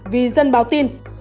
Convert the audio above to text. vì dân báo tin